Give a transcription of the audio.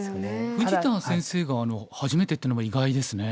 富士田先生が初めてっていうのは意外ですね。